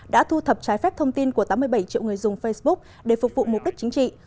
đã thu thập trái phép thông tin của tám mươi bảy triệu người dùng facebook để phục vụ mục đích chính trị